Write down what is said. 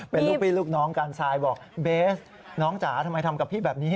เป็นลูกพี่ลูกน้องกันทรายบอกเบสน้องจ๋าทำไมทำกับพี่แบบนี้